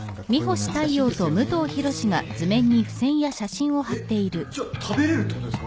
えっ？じゃあ食べれるってことですか？